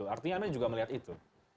artinya anda juga melihat itu